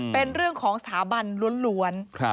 เป็นเรื่องของสถาบันล้วน